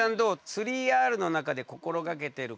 ３Ｒの中で心掛けてることって。